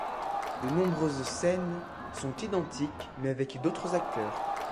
De nombreuses scènes sont identiques mais avec d'autres acteurs.